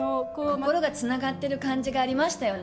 心がつながってる感じがありましたよね。